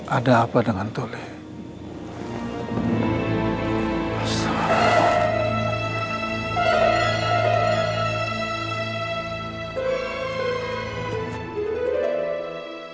ada apa dengan tuhli